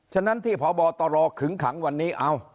ฉะนั้นที่พบตรขึงขังวันนี้